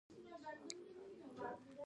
په وړکتونونو کې تطبیقېږي.